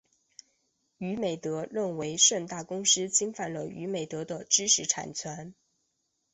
娱美德认为盛大公司侵犯了娱美德的知识产权。